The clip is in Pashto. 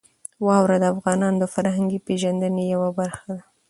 واوره د افغانانو د فرهنګي پیژندنې یوه برخه ده.